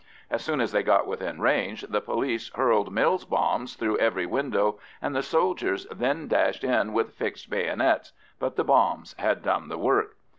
As soon as they got within range, the police hurled Mills' bombs through every window, and the soldiers then dashed in with fixed bayonets, but the bombs had done the work.